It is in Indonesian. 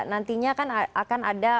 nantinya kan akan ada